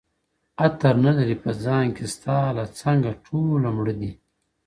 عطر نه لري په ځان کي ستا له څنګه ټوله مړه دي -